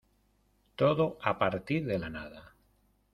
todo a partir de la nada.